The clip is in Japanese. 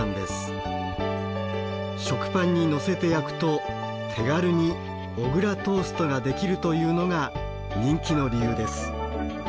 食パンにのせて焼くと手軽に小倉トーストができるというのが人気の理由です。